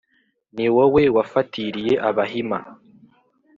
Ni wowe wafatiriye Abahima